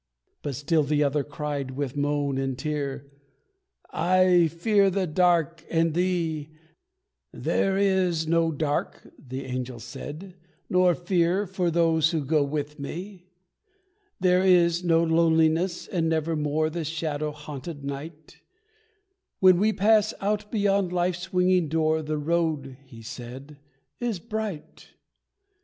But still the other cried, with moan and tear, "I fear the dark and thee!" "There is no dark," the angel said, "nor fear, For those who go with me. "There is no loneliness, and nevermore The shadow haunted night, When we pass out beyond Life's swinging door The road," he said, "is bright."